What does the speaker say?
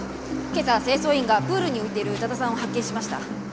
今朝清掃員がプールに浮いている宇多田さんを発見しました。